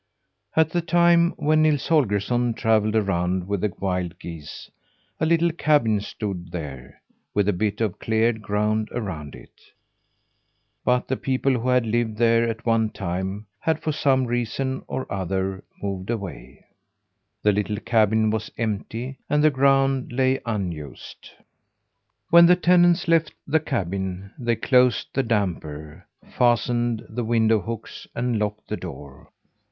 At the time when Nils Holgersson travelled around with the wild geese, a little cabin stood there, with a bit of cleared ground around it. But the people who had lived there at one time, had, for some reason or other, moved away. The little cabin was empty, and the ground lay unused. When the tenants left the cabin they closed the damper, fastened the window hooks, and locked the door.